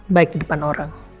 baik di depan orang